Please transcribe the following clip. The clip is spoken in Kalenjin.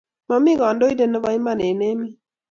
mami kandoindatet nebo iman eng emet